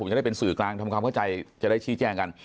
จะได้เป็นสื่อกลางทำความเข้าใจจะได้ชี้แจ้งกัน